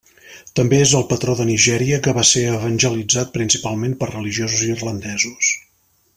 També és el patró de Nigèria que va ser evangelitzat principalment per religiosos irlandesos.